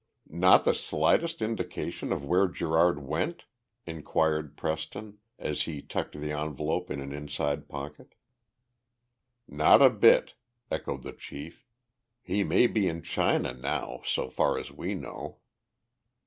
"Not the slightest indication of where Gerard went?" inquired Preston as he tucked the envelope in an inside pocket. "Not a bit," echoed the chief. "He may be in China now, so far as we know."